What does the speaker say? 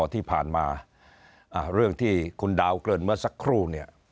ที่ผ่านมาเรื่องที่คุณดาวเกริ่นเมื่อสักครู่เนี่ย